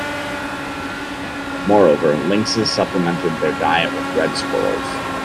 Moreover, lynxes supplemented their diet with red squirrels.